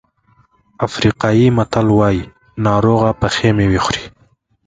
افریقایي متل وایي ناروغه پخې مېوې خوري.